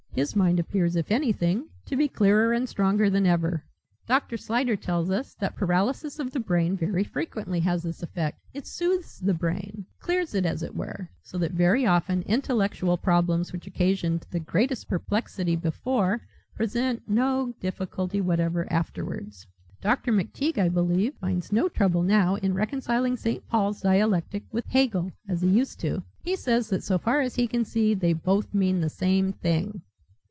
"His mind appears if anything, to be clearer and stronger than ever. Dr. Slyder tells us that paralysis of the brain very frequently has this effect; it soothes the brain clears it, as it were, so that very often intellectual problems which occasioned the greatest perplexity before present no difficulty whatever afterwards. Dr. McTeague, I believe, finds no trouble now in reconciling St. Paul's dialectic with Hegel as he used to. He says that so far as he can see they both mean the same thing."